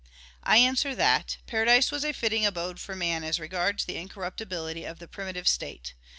I answer that, Paradise was a fitting abode for man as regards the incorruptibility of the primitive state.